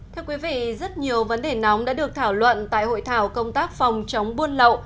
thưa quý vị rất nhiều vấn đề nóng đã được thảo luận tại hội thảo công tác phòng chống buôn lậu